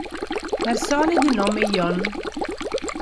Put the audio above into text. Persone di nome Ion